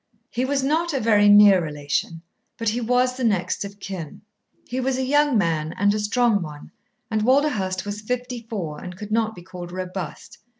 He was not a very near relation, but he was the next of kin. He was a young man and a strong one, and Walderhurst was fifty four and could not be called robust.